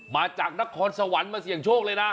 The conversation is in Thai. มาจากนครสวรรค์มาเสี่ยงโชคเลยนะ